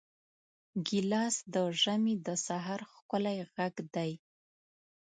ګیلاس د ژمي د سحر ښکلی غږ دی.